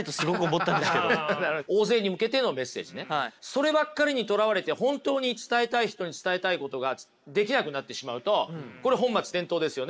そればっかりにとらわれて本当に伝えたい人に伝えたいことができなくなってしまうとこれ本末転倒ですよね。